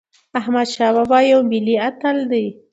احمدشاه بابا یو ملي اتل دی.